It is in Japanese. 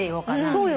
そうよ。